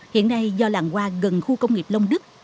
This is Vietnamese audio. hiện nay do làng hoa gần khu công nghiệp long đức